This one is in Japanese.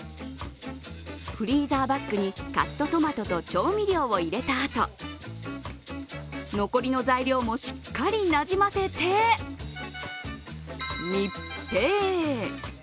フリーザーバッグにカットトマトと調味料を入れたあと、残りの材料もしっかりなじませて密閉。